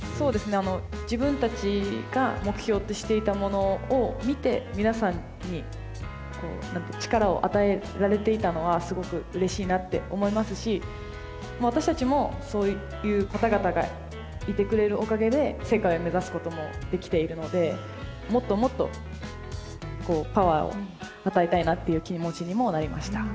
自分たちが目標としていたものを見て皆さんに力を与えられていたのはすごくうれしいなって思いますし私たちもそういう方々がいてくれるおかげで世界を目指すこともできているのでもっともっとパワーを与えたいなっていう気持ちにもなりました。